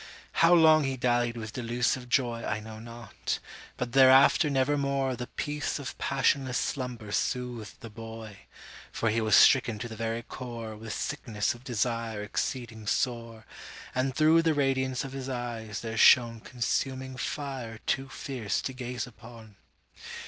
How long he dallied with delusive joyI know not: but thereafter never moreThe peace of passionless slumber soothed the boy; For he was stricken to the very coreWith sickness of desire exceeding sore, And through the radiance of his eyes there shoneConsuming fire too fierce to gaze upon.